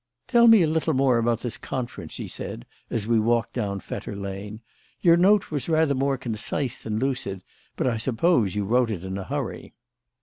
"Tell me a little more about this conference," she said, as we walked down Fetter Lane. "Your note was rather more concise than lucid; but I suppose you wrote it in a hurry."